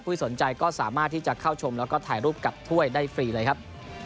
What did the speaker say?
สนใจก็สามารถที่จะเข้าชมแล้วก็ถ่ายรูปกับถ้วยได้ฟรีเลยครับ